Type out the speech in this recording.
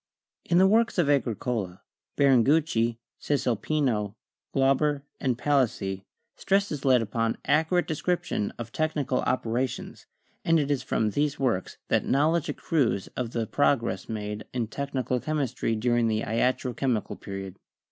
In the works of Agricola, Biringucci, Caesalpino, Glau ber and Palissy, stress is laid upon accurate description of technical operations, and it is from these works that knowledge accrues of the progress made in technical chemistry during the Iatro chemical Period.